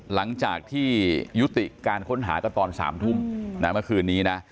หลังจากที่ยุติการค้นหากันตอน๓ทุ่มนะเมื่อคืนนี้นะ